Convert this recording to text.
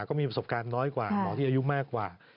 ก็มีประสบการณ์น้อยกว่าหมอที่อายุมากกว่า